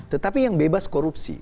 tetapi yang bebas korupsi